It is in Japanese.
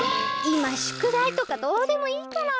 いま宿題とかどうでもいいから！